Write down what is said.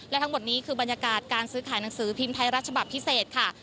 และทั้งหมดนี้คือบรรยากาศการซื้อขายหนังสือพิมพ์ไทยรัฐฉบับพิเศษค่ะ